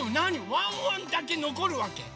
ワンワンだけのこるわけ？